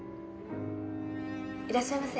いらっしゃいませ。